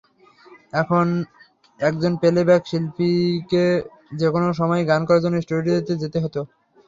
একজন প্লে-ব্যাক শিল্পীকে যেকোনো সময়ই গান করার জন্য স্টুডিওতে যেতে হতো।